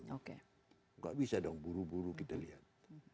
nggak bisa dong buru buru kita lihat